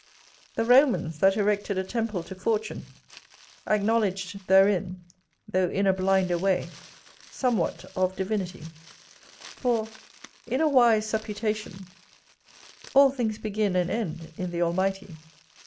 The Romans, that erected a temple to Fortune, acknowledged therein, though in a blinder way, somewhat of divinity; for, in a wise supputation, all things begin and end in the Almighty.